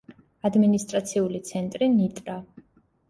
ადმინისტრაციული ცენტრი ნიტრა.